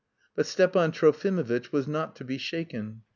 But Stepan Trofimovitch was not to be shaken.